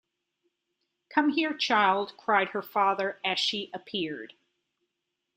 “Come here, child,” cried her father as she appeared.